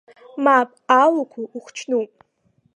Мап, алуқәа ухчнуп!